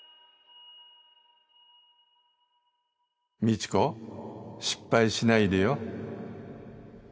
未知子失敗しないでよ。